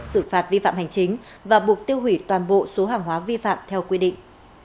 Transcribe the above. xử phạt vi phạm hành chính và buộc tiêu hủy toàn bộ số hàng hóa vi phạm theo quy định